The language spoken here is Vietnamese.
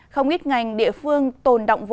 không ít ngành địa phương tồn động vốn